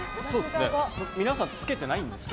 皆さんつけてないんですね。